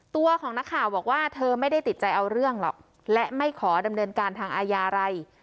ตัวของนักข่าวบอกว่าเธอไม่ได้ติดใจเอาเรื่องหรอกและไม่ขอดำเนินการทางอาญาอะไร